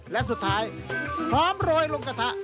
แล้วสุดท้ายเพราะโรยลงกระทะ